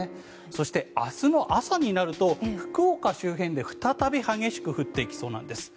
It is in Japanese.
そして、明日の朝になると福岡周辺で再び激しく降ってきそうなんです。